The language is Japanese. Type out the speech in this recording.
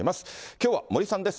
きょうは森さんです。